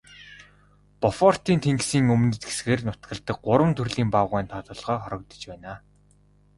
Бофортын тэнгисийн өмнөд хэсгээр нутагладаг гурван төрлийн баавгайн тоо толгой хорогдож байна.